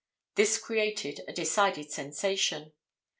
This created a decided sensation.